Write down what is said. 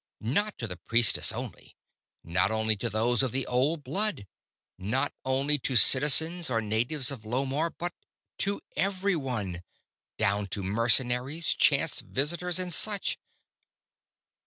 _ Not to the priestess only; not only to those of the Old Blood; not only to citizens or natives of Lomarr; but to everyone down to mercenaries, chance visitors, and such!